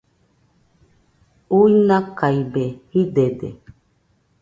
Uinakaibe jidede